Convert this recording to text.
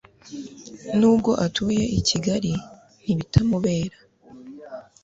nubwo atuye i Kigali ntibitamubera